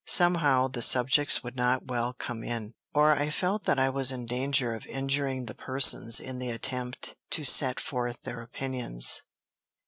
Somehow, the subjects would not well come in, or I felt that I was in danger of injuring the persons in the attempt to set forth their opinions.